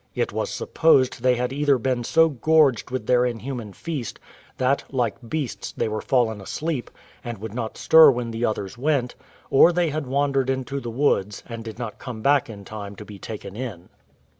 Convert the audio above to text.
It was supposed they had either been so gorged with their inhuman feast, that, like beasts, they were fallen asleep, and would not stir when the others went, or they had wandered into the woods, and did not come back in time to be taken in.